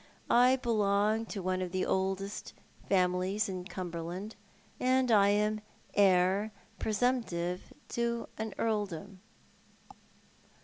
I belong to one of the oldest families in Cumberland, and I am heir presumptive to an earldom."